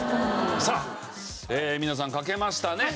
さあ皆さん書けましたね。